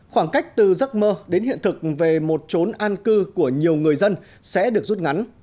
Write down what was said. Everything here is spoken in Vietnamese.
khoảng cách từ giấc mơ đến hiện thực về một trốn an cư của nhiều người dân sẽ được rút ngắn